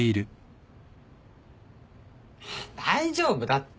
大丈夫だって。